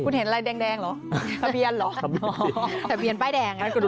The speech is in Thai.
คุณเห็นอะไรแดงหรอทะเบียนหรอ